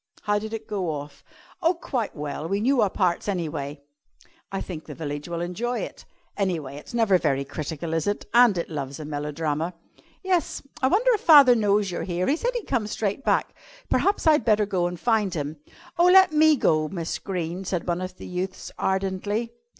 "How did it go off?" "Oh, quite well. We knew our parts, anyway." "I think the village will enjoy it." "Anyway, it's never very critical, is it? And it loves a melodrama." "Yes. I wonder if father knows you're here. He said he'd come straight back. Perhaps I'd better go and find him." "Oh, let me go, Miss Greene," said one of the youths ardently.